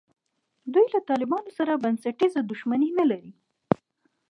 دوی له طالبانو سره بنسټیزه دښمني نه لري.